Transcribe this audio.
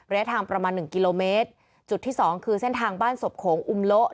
ระยะทางประมาณหนึ่งกิโลเมตรจุดที่สองคือเส้นทางบ้านศพโขงอุมโละ